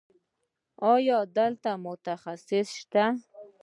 ایا دلته ښه متخصص شته؟